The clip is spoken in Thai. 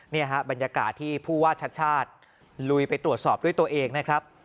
บรรยากาศที่ผู้ว่าชัดชาติลุยไปตรวจสอบด้วยตัวเองนะครับ